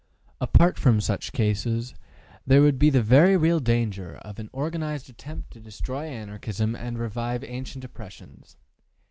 Apart from such cases, there would be the very real danger of an organized attempt to destroy Anarchism and revive ancient oppressions.